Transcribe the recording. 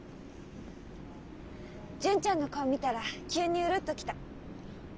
純ちゃんの顔見たら急にウルッと来た。